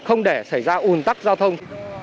không để xảy ra ủn tắc giao thông